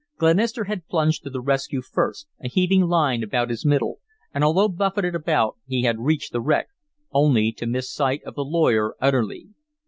Glenister had plunged to the rescue first, a heaving line about his middle, and although buffeted about he had reached the wreck, only to miss sight of the lawyer utterly.